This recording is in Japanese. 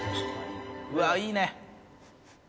うわいいね！